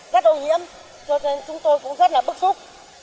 rất ô nhiễm cho nên chúng tôi cũng rất là bức xúc